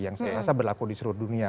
yang saya rasa berlaku di seluruh dunia